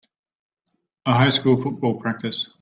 A high school football practice.